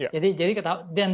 jadi jadi ketahuan dan dan